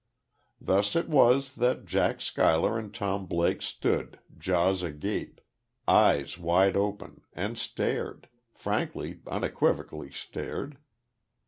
Thus, it was that Jack Schuyler and Tom Blake stood, jaws agape, eyes wide open, and stared frankly, unequivocally stared....